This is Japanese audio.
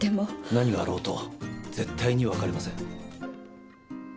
何があろうと絶対に別れません。